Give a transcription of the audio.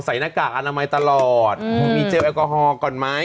หน้ากากอนามัยตลอดมีเจลแอลกอฮอลก่อนไหม